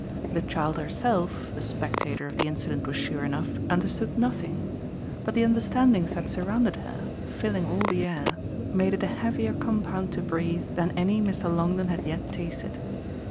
The child herself, the spectator of the incident was sure enough, understood nothing; but the understandings that surrounded her, filling all the air, made it a heavier compound to breathe than any Mr. Longdon had yet tasted.